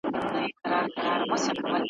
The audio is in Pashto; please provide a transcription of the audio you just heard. دا خیرنه ګودړۍ چي وینې دام دی ,